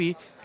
dan tata rupa